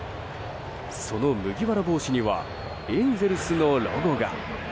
その麦わら帽子にはエンゼルスのロゴが。